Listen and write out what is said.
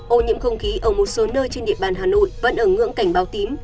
ô nhiễm không khí ở một số nơi trên địa bàn hà nội vẫn ở ngưỡng cảnh báo tím